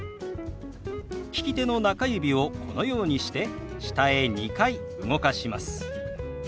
利き手の中指をこのようにして下へ２回動かします。